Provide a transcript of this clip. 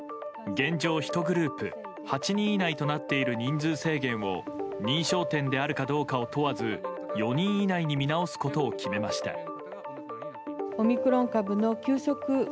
現状、１グループ８人以内となっている人数制限を認証店であるかどうかを問わず４人以内に見直すことを決めました。